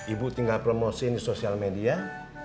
ibu tinggal promosi di sosial media